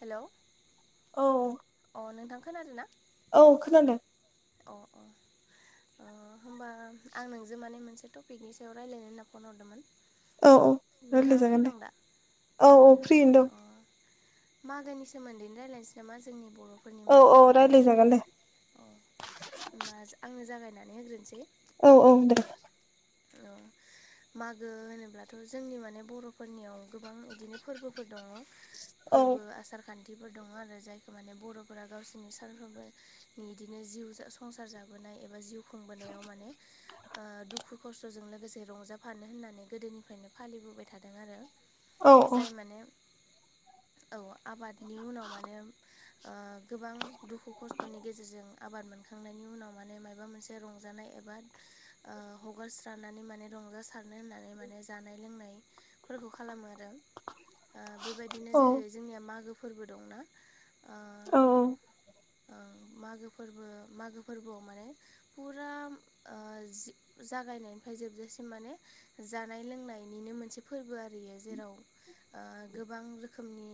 हेल' औ अ नोंथांखोन आरोना? औ खोनादों। अ अ ओ होनबा आं नोंजों माने मोनसे टपिकनि सायाव रायज्लायनो होनना फन हरदोंमोन। औ औ रायलाय नोंथाङा फ्रि जागोन दे दं दा औ औ फ्रियैनो दं। अ मागोनि सोमोन्दै रायज्लायनोसै नामा जोंनि बर'फोरनि औ औ मागोफोरबोनि रायज्लायजागोन सोमोन्दै दे अ होनमबा आंनो जागायनानै होग्रोनोसै। औ औ दे औ मागो होनोब्लाथ' जोंनि माने बर'फोरनियाव गोबां इदिनो फोरबोफोर दङ। औ फोरबो आसार खान्थिफोर दङ आरो जायखौ माने बर'फोरा गावसोरनि सानफ्रोमबो इदिनो जिउ संसार जाबोनाय एबा जिउ खुंबोनायाव माने ओ दुखु दुखु खस्थ'जों लोगोसे रंजाफानो होननानै गोदोनिफ्रायनो फालिबोबाय थादों आरो औ जाय माने औ आबादनि उनाव माने ओ गोबां दुखु खस्थ'नि गेजेरजों आबाद मोनखांनायनि उनाव माने माबा मोनसे रंजानाय एबा ओ हगारस्रानानै माने रंजासारनो होननानै माने जानाय लोंनायफोरखौ खालामो आरो। ओ बेबायदिनो औ जेरै जोंनिया मागो फोरबो दंना। ओ औ ओं मागो फोरबो मागो फोरबोआव माने फुरा ओ जि जागायनायनिफ्राय जोबजासिम माने जानाय लोंनायनिनो मोनसे फोरबो आरोयो जेराव ओ गोबां रोखोमनि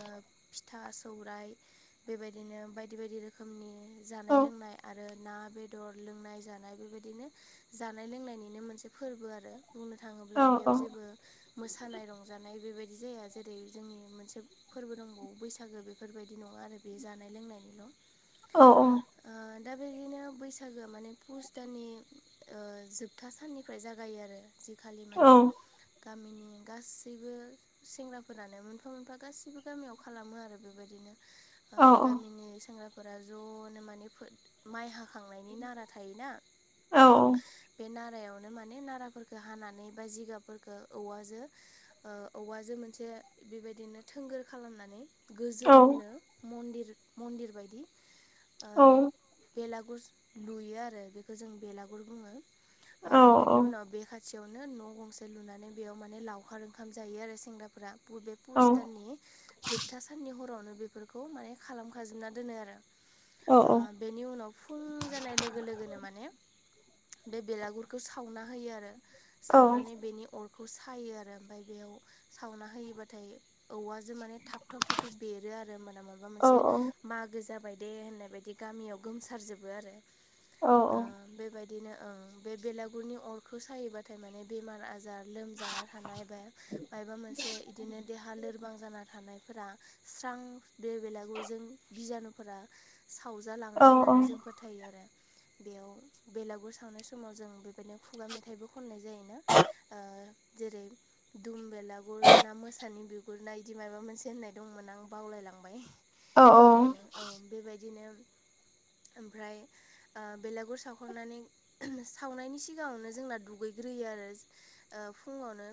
ओ फिथा सौराइ बेबायदिनो बायदि बायदि रोखोमनि औ जानाय लोंनाय आरो ना बेदर लोंनाय जानाय बेबायदिनो जानाय लोंनायनिनो मोनसे फोरबो आरो बुंनो थाङोब्ला औ बेयाव जेबो मोसानाय रंजानाय बेबायदि जाया जेरै जोंनि मोनसे फोरबो दंबावो बैसागो बेफोरबायदि नङा आरो बे जानाय लोंनायनिल' औ औ ओ दा बेदिनो बैसागोआ माने पुस दाननि ओ जोबथा साननिफ्राय जागायो आरो जिखालि माने गामिनि गासैबो सेंग्राफोरानो मोनफा मोनफा गासैबो गामियाव खालामो आरो बेबायदिनो ओ गामिनि सेंग्राफोरा ज'नो माने फो माइ हा खांनायनि नारा थायोना। औ औ बे नारायावनो माने नाराफोरखौ हानानै बा जिगाबफोरखौ औवाजों ओ औवाजों मोनसे बेबायदिनो थोंगोर खालामनानै गोजौनो मन्दिर मन्दिर बायदि औ ओ बेलागुर लुयो आरो बेखौ जों बेलागुर बुङो ओ बेनि उनाव बेखाय खाथियावनो न' गंसे लुनानै बेयाव माने लावखार ओंखाम जायो आरो सेंग्राफोरा बे पुस दाननि जोबथा साननि हरावनो बे बेफोरखौ माने खालामखाजोबना दोनो आरो ओ बेनि उनाव फुं जानाय लोगो लोगोनो माने बे बेलागुरखौ सावना होयो आरो सावनानै बेनि अर बेखौ सायो आरो ओमफ्राय बेयाव सावना होयोबाथाय औवा जो जों माने थाब थाब थुब थुब बेरो आरो होमबाना माबा मोनसे मागो जाबाय दे होननाय बायदि गामियाव गोमसारजोबो आरो बेबायदि बिदिनो ओं बेलागुरनि अरखौ सायोबाथाय माने बेमार आजार लोमजाना थानाय बा मायबा मोनसे इदिनो देहा लोरबां जाना थानायफोरा स्रां बे बेलागुरजों बिजानुफोरा सावजालाङो होननानै जों फो थायो आरो बेयाव बेलागुर सावनाय समाव जों बेबायदिनो खुगा मेथाइबो खननाय जायोनो ओ दुम बेलागुर ना मोसानि बिगुर ना इदि माबा मोनसे होननाय दंमोन आं बावलायलांबाय। औ बेबायदिनो ओमफ्राय बेलागुर साव खांनानै सावनायनि सिगाङावनो जोंना दुगैग्रोयो आरो ओ फुङावनो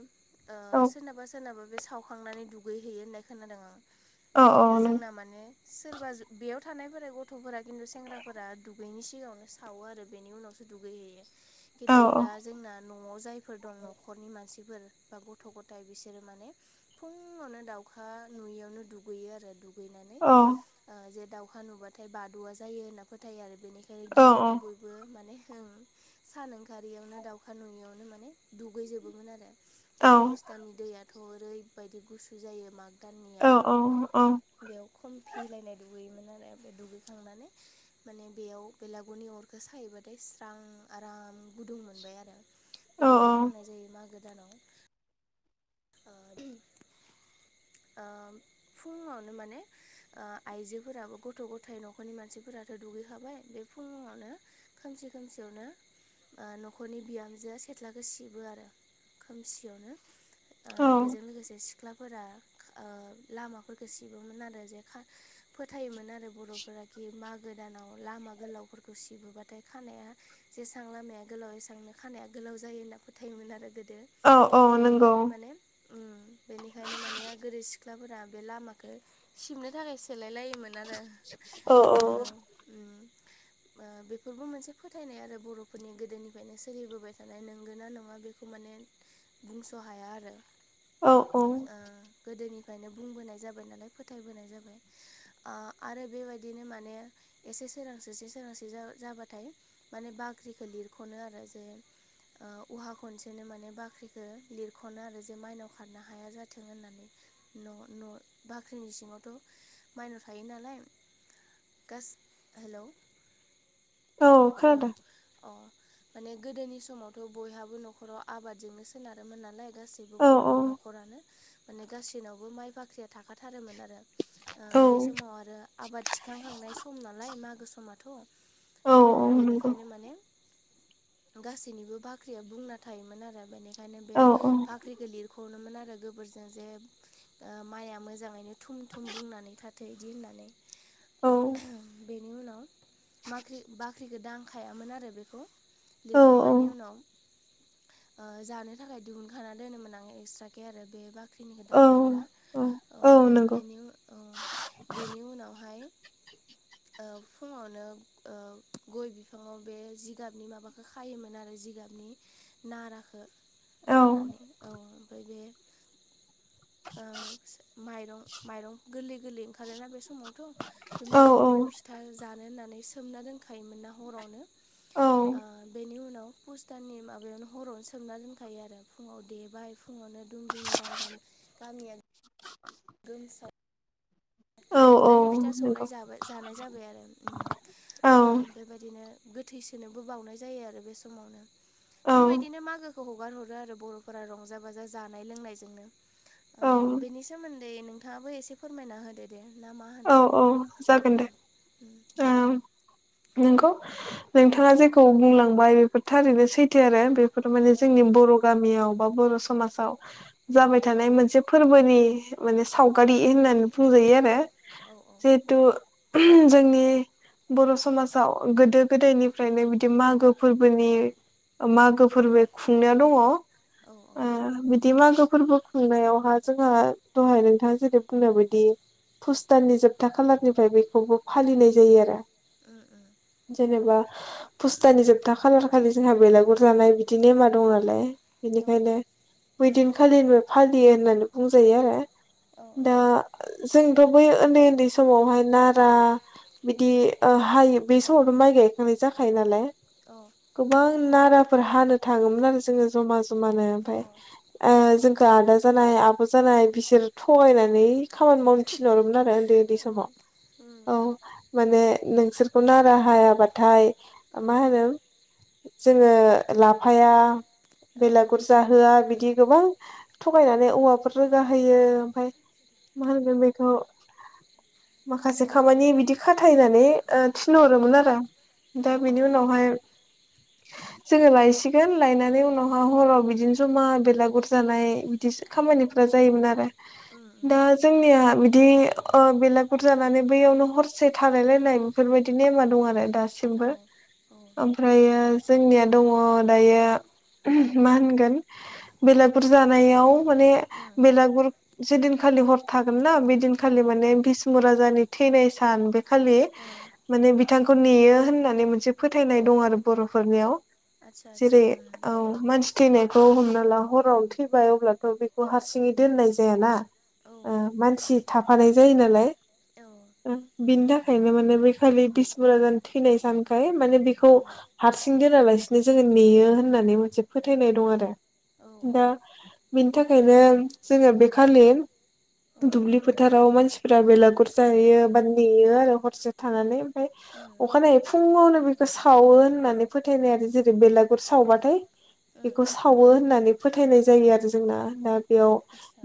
सोरनाबा सोरनाबा बे सावखांनानै दुगैहैयो होननाय खोनादों आं जोंना माने सोरबा बेयाव थानायफोरा गथ'फोरा खिन्थु सेंग्राफोरा दुगैनि सिगाङावनो सावो आरो बेनि उनावसो दुगै हैैयो खिन्थु दा जोंना न'आव जायफोर दं न'खरनि मानसिफोर बा गथ' गथायाइ बिसोरो माने फुङावनो दाउखा नुयियावनो दुगैयो आरो दुगैनानै ओ जे दाउखा नुबाथाय बाद'वआ जायो होनना फोथायो आरो बेनिखा गिनानै बयबो माने ओं सान ओंखारियावनो दाउखा नुयियावनो माने दुगैजोबोमोन आरो बे पुसतानानि दैयाथ' ओरैबायदि गुसु जायो माग दाननिया बेयाव खमफिलायनाय दुगैयोमोन आरो दुगैखांनानै माने बेयाव बेलागुरनि अर सायोबाथाय स्रां आराम गुदुं मोनबाय आरो बेबायदि खालामनाय जायो मागो दानाव ओ फुङावनो माने आइजोफोराबो गथ' गथाय न'खरनि मानसिफोराथ' दुगैखाबाय बे फुङावनो खोमसि खोमसियावनो न'खरनि बिहामजोआ सेथ्लाखो सिबो आरो खोमसियावनो औ बेजों लोगोसे सिख्लाफोरा लामाफोरखौ सिबोमोन आरो जे फोथायोमोन आरो बर'फोरा कि मागो दानाव लामा गोलावफोरखौ सि बोबाथाय खानाया जेसां लामाया गोलाव एसबांनो खानाया गोलाव जायो होन्ना फोथायोमोन आरो गोदो औ औ नंगौ बेनिखायनो माने उम बेनिखायनो माने गोदै सिख्लाफोरा बे लामाखो सिबनो थाखायसो सोलाय लायोमोन आरो औ बेफोरबो मोनसे फोथायनाय आरो बर'फोरनि गोदोनिफ्रायनो सोलिबोबाय थानाय नंगोना नङा बेखौ माने बुंस' हाया आरो औ औ गोदोनिफ्रायनो बुंबोनाय जाबाय नालाय फोथायबोनाय जाबाय आरो बेबायदिनो माने एसे सोरांसोसै सोरांस्रि जाबाथाय माने बाख्रिखौ लिरख'नो आरो जे उहा खनसेनो माने बाख्रिखौ लिरख'नो आरो जे माइनाव खारनो हाया जाथों होननानै न' न' बाख्रिनि सिङावथ' माइनाव थायो नालाय हेलौ औ हेलौ खोनादों अ माने गोदोनि समावथ' बयहाबो न'खराव आबादजोंनो सोनारोमोन नालाय गासैबो औ बर' औ न'खरानो माने गासैनावबो माइ बाख्रिया थाखाथारोमोन आरो औ बे समाव आरो आबाद थिखांखांनाय सम नालाय मागो समाथ' औ औ नंगौ बेनिखायनो माने गासैनिबो बाख्रिया बुंना थायोमोन आरो बेनिखाय खायनो बे औ औ बाख्रिखौ लिरखनोमोन आरो गोबोरजों जे माइआ मोजाङैनो थुम थुम बुंनानै थाथो बिदि होननानै औ बेनि उनाव बाख्रि बाख्रिखौ दांखायामोन आरो बेखौ लिरखांनायनि उनाव जानो थाखाय दिहुनखाना दोनोमोन आं एक्सट्राखे आरो बे बाखि ख्रिनिखौ औ दांफिनला औ औ नंगौ बेनो बेनि उनावहाय फुङावनो गय बिफाङाव बे जिगाबनि माबाखौ खायोमोन आरो जिगाबनि नाराखो औ खानानै औ ओमफ्राय बे औ माइरं माइरं गोरलै गोरलै ओंखारोना बे समाव थ बे औ औ माइरंखौनो फिथा जानो होननानै सोमना दोनखायोमोनना हरावनो औ ओ बेनि उनाव पुस दाननि माबायावनो हरावनो सोमना दोनखायो आरो फुङाव देबाय फुङावनो दुम दुम दाम दाम गामियारि [unintelligible] देनानै फिथा नंगौ सौराइ जाबाय जानाय जाबाय आरो उम औ ओ बेबायदिनो गोथैसोनोबो बावनाय जायो आरो बे समावनो औ बेबायदिनो मागो खौ हगार हरो आरो बर'फोरा रंजा बाजा जानाय लोंनायजोंनो औ बेनि ओ सोमोन्दै दे नोंथाङाबो एसे फोरमायना होदो दे ना मा औ होनो औ अ जागोन दे उम ओं नोंगौ नोंथाङा जेखौ बुंलांबाय बेफोर थारैनो सैथो आरो बे फोर माने जोंनि बर' गामियाव बा बर' समाजाव जाबाय औ थानाय मोनसे फोरबोनि माने सावगारि होननानै बुंजायो आरो औ औ जिहेथु जोंनि बर' समाजाव गोदो गोदायनिफ्रायनो बिदि मागो फोरबोनि मागो फोरबो खुंनायाव दङ औ ओ दि मागो फोरबो खुंनायावहा जोंहा दहाय नोंथाङा जेरै बुंनायबायदि फुस दाननि जोबथा खालारनिफ्राय बेखौबो फालिनाय जायो आरो उम उम जेनेबा फुस दाननि जोबथा खालार खालि जोंहा बेलागुर जानाय बिदि नेमा दं नालाय औ बेनिखायनो बैदिनखालिनिबो फालियो होननानै बुंजायो आरो औ दा जोंथ बै उन्दै उन्दै समावहाय नारा बिदि हायो बे समावथ माइ गायखांनाय जाखायो नालाय औ गोबां नाराफोर हानो थाङोमोन आरो जोङो जमा जमानो आतसा ओमफ्राय जोंखौ आदा जानाय आब जानाय बिसोर थगायनानै खाव थिनहरोमोन आरो उन्दै उन्दै आतसा समाव औ माने नोंसोरखौ नारा हायाबाथाय मा होनो जोङो लाफाया औ बेलागुर जाहोआ बिदि गोबां थगायनानै औवाफोर रोगा होयो ओमफ्राय मा होनगोन बेखौ माखासे खामानि बिदि खाथायनानै थिनहरोमोन आरो दा बिनि उनावहाय [inaudible] जोङो लायसिगोन लायनानै उनावहा हराव बिदिनो जमा बेलागुर जानाय बिदि खामानिफ्रा जायोमोन आरो उम दा जोंनिया बिदि बेलागुर जानानै बैयावनो हरसे थालाय लायनाय बेफोरबायाददि नेमा दं आरो दासिमबो ओमफ्रायो जोंनिया दङ दायो मा होनगोन बेलागुर जानायाव माने बेलागुर जेदिनखालि हर थागोनना औ बेदिनखालि माने बिष्णु राजानि थैनाय सान बे खालि औ माने बिथांखौ नेयो होननानै मोनसे फोथायनाय दं आरो बर'फोरनियाव आतसा जेरै औ मानसि थैनायखौ हमना ला हराव थैबाय अब्लाथ बेखौ हारसिङै दोननाय जायाना ओ मानसि थाफानाय जायो नालाय बिनि थाखायनो माने बे खालि बबिष्णु राजानि जानो थैनाय जानखाय माने बेखौ हारसिं दोनालासिनो जोङो नेयो होननानै मोनसे फोथायनाय दं आरो। दा बेनि थाखायनो जोङो बे खालि दुब्लि फोथाराव मानसिफोरा्रा बेलागुर जाहैयो बा नेयो आरो हरसे थानानै ओमफ्राय अखानायै फुङावनो बेखौ सावो होननानै फोथायनाय आरो जेरै बेलागुर सावबाथाय बेखौ सावो होननानै फोथायनाय जायो आरो जोंना बेयाव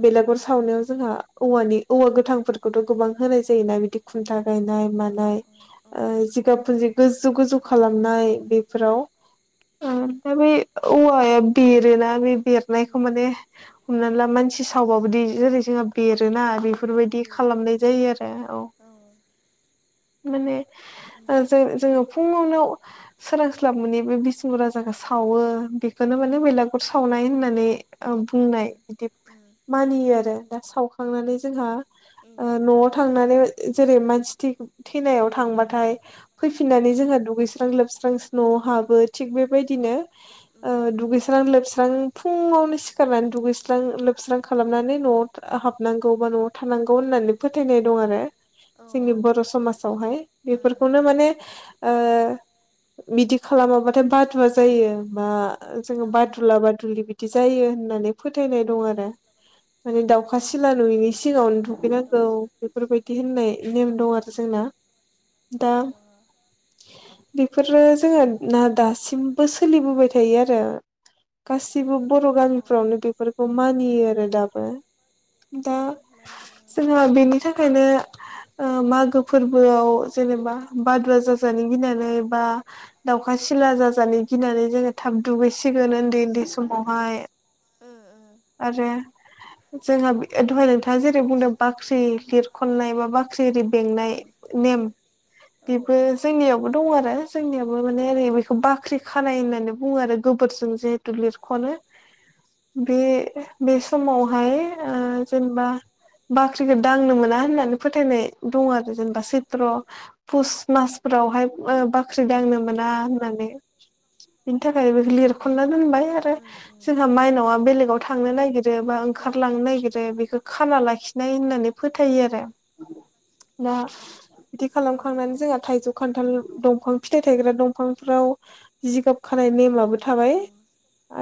बेलागर सावनायाव जोंहा औवानि औवा गोथांफोरखौथ' गोबां होनाय जायोना बिदि खुन्था गायनाय औ मानाय औ जिगाबफोरुन्जि गोजौ गोजौ खालामनाय बेफोराव। दा बे औवाया बेरोना बे बेरनायखौ माने हमनानै ला मानसि सावबाबोदि जेरै जोंहा बेरोना औ औ बेफोरबायदि बेरो खालामनाय जायो आरो औ। माने जों जोङो फुङावनाव सोरां स्लाब मनि बे बिसमुर राजाखौ सावो बेखौनो माने औ बेैलागुर सावनाय होननानै। बुंनाय बिदि मानियो आरो दा सावखांनानै जोंहा ओ न'आव थांनानै जेरै मानसि थै थैनायाव थांबाथाय। फैफिननानै जोंहा दुगैस्रां लोबस्रांस न'आव हाबो थिग बेबायदिनो ओ दुगैस्रां लोबस्रां फुङावनो सिखारनानै दुगैस्रां लोबस्रां खालामनानै न'आव। हाबनां गौ बा न'आव थानांगौ होननानै फोथायनाय दं आरो जोंनि बर' समासावहाय। बेफोरखौनो माने ओ बिदि खालामाबाथाय बादुवा जायो बा जोङो बादुला बादुुलि बिद दि जायो होननानै फोथायनाय दं आरो। [inaudible] माने दाउखा सिला नुयिनि सिगाङावनो औ दुगैनांगौ दङ बेफोरबायदि होननाय नेम अ दं आरो। जोंना औ दा दङ बेफोरो जोङो ना दासिमबो सोलिबोबाय थायो आरो। गासिबो बर' औ गामिफ्रावनो बेफोरखौ मानियो आरो दाबो। उम। जोङो बेनि थाखायनो। मागो फोरबोआव जेनेबा बादवा जाजानो गिनानै बा दाउखा सिला जाजानानै गिनानै जोङो थाब दुगैसिगोन ओन दै दै समावहाय आरो जोंहा बि दहाय नोंथाङा जेरै बुंदों बाख्रि लिरखननाय बा बाख्रि आरि बेंनाय नेम [inaudible] बेबो औ जोंनियावबो दं आरो जोंनियावाबबो माने ओरै बेखौ बाख्रि खानाय होननानै बुङो आरो। गोबोरजों जिहेतु लिरख'नो बे बे आतसा आतसा समावहाय ओ जेनबा बाख्रिखौ दांनो मोना होननानै फोथायनाय दं आरो जेनबा चैत्र फुस मासफोरावहाय ओ बाख्रि दांनो मोना होननानै। बिनि थाखाय बे लिरख'ना दोनबाय आरो। जोंहा मायनावा बेलेगाव थांनो नागिरोब बा ओं लांनो नागिरो बेखौ खाना लाखिनाय होननानै फोथायो आरो। दा बिदि ओ खालामखांनानै औ औ जोंहा थाइजौ, खान्थाल, नंगौ ओं दंफां फिथाइ थायग्रा दंफांफ्राव जिगाब खानाय नेमाबो थाबाय उम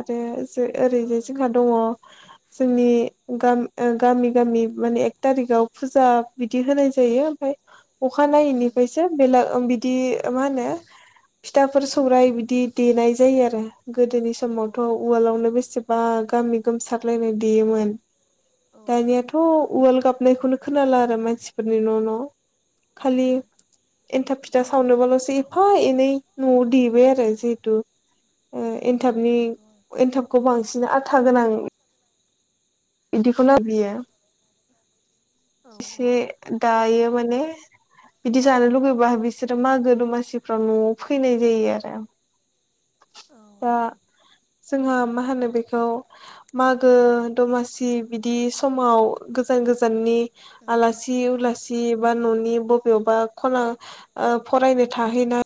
आरो जे ओरैजाय जोंहा दङ जोंनि गाम ओ गामि माने एक थारिकाव फुजा बिदि होनाय जायो ओमफाय। अखानायैनिफायसो बेला ओ बिदि मा होनो। फिथाफोर सौराइ बिदि देनाय जायो आरो। गोदोनि ओम समावथ' ओम उवालावनो बेसेबा गामि गोमसार लायनाय देयोमोन। औ दानियाथ' उवा नंगौ गाबनायखौनो खोनाला आरो मानसिफोरनि न' न' खालि ओम एन्थाब फिथा सावनोबाल'सो एफा एनै न'आव देबाय आरो ओम जिहेथु उम औ एनथाबनि नंगौ एनथाबखौ बांसिन आथा गोनां औ इदिखौना बियो औ एसे दायो माने बिदि जानो लुुबैबा बिसोरो मागो दमासिफ्राव न'आव फैनाय जायो आरो औ दा जोंहा मा होनो बेखौ मागो दमासि बिदि समाव गोजान गोजाननि ओम आलासि सि उलासि बा न'नि बबेबा खना ओ फरायनो थाहैनाय